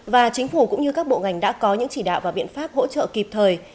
và chính phủ cũng như các bộ ngành đã có những chỉ đạo và biện pháp hỗ trợ kịp thời